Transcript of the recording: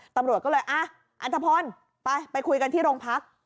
ตำรวจก็เลยอ่ะอันทพลไปไปคุยกันที่โรงพัก